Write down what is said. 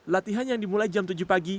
latihan yang dimulai jam tujuh pagi